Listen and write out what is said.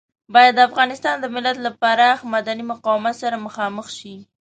بايد د افغانستان د ملت له پراخ مدني مقاومت سره مخامخ شي.